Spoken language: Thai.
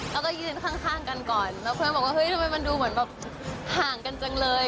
แล้วก็ยืนข้างกันก่อนแล้วเพื่อนบอกว่าเฮ้ยทำไมมันดูเหมือนแบบห่างกันจังเลย